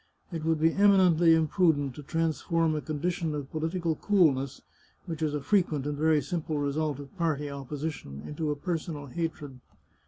It would be emi nently imprudent to transform a condition of political coolness, which is a frequent and very simple result of party opposition, into a personal hatred."